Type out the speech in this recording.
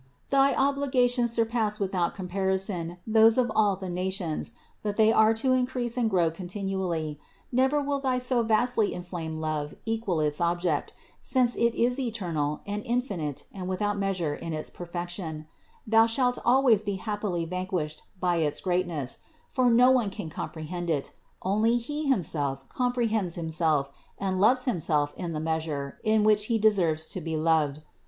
Thy obligations surpass without comparison those of all the nations; but they are to increase and grow continually; never will thy so vastly inflamed love equal its Object, since It is eternal and infinite and without measure in its perfection; Thou shalt always be happily vanquished by its greatness ; for no one can comprehend It ; only He 200 CITY OF GOD himself comprehends Himself and loves Himself in the measure, in which He deserves to be loved.